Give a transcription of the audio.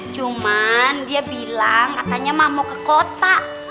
cuman dia bilang katanya mah mau ke kota